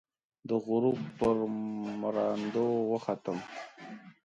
د غروب پر مراندو، وختم